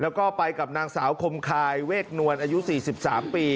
แล้วก็ไปกับนางสาวคมคายเวกนวลอายุ๔๓ปี